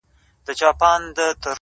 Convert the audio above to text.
کیسې د خان او د زامنو د آسونو کوي!!